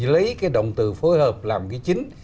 lấy cái động từ phối hợp làm cái chính